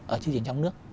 ở thị trường trong nước